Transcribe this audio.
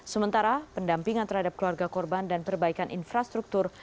sementara pendampingan terhadap keluarga korban dan perbaikan infrastruktur